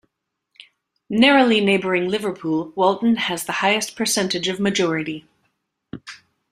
Narrowly neighbouring Liverpool Walton has the highest percentage of majority.